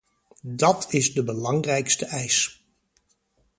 Dat is de belangrijkste eis.